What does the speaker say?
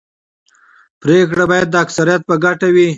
پرېکړې باید د اکثریت په ګټه وي